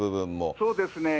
そうですね。